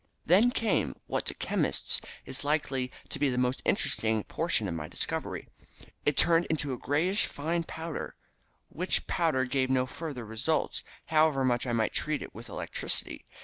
"Then came what to chemists is likely to be the most interesting portion of my discovery. It turned to a greyish fine powder, which powder gave no further results, however much I might treat it with electricity.